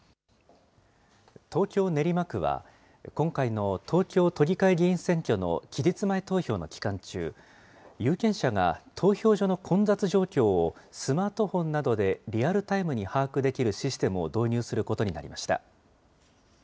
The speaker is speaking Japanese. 東京・練馬区は、今回の東京都議会議員選挙の期日前投票の期間中、有権者が投票所の混雑状況をスマートフォンなどでリアルタイムに把握できるシステムを導入することになりました。